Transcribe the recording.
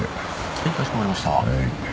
はいかしこまりました。